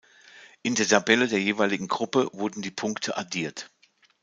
In der Tabelle der jeweiligen Gruppe wurden die Punkte addiert.